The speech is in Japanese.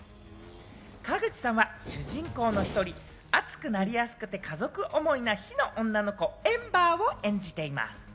川口さんは主人公の一人、熱くなりやすくて家族思いな火の女の子・エンバーを演じています。